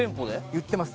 ・売ってます